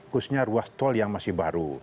khususnya ruas tol yang masih baru